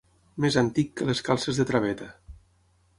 Més antic que les calces de traveta.